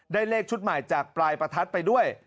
เลขชุดใหม่จากปลายประทัดไปด้วย